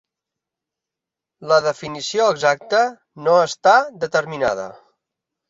La definició exacta no està determinada.